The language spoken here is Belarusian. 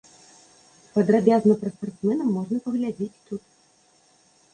Падрабязна пра спартсмена можна паглядзець тут.